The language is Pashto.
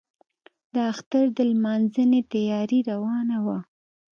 د اختر د لمانځنې تیاري روانه وه.